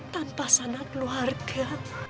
tanpa sanak keluarga